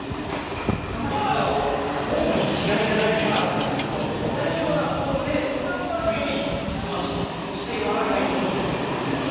かなりホームに違いがないといいますか、同じようなフォームで強いスマッシュと、やわらかいドロップを打つことができます。